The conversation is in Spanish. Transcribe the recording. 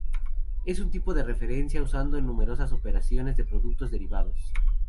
Es un tipo de referencia usado en numerosas operaciones de productos derivados.